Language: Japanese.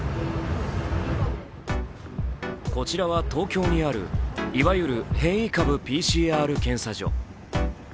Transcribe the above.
こちらは東京にある、いわゆる変異株ＰＣＲ検査所。